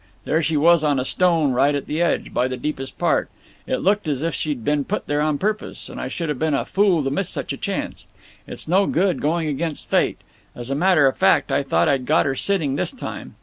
There she was on a stone right at the edge, by the deepest part. It looked as if she'd been put there on purpose, and I should have been a fool to miss such a chance. It's no good going against fate. As a matter of fact I thought I'd got her sitting this time.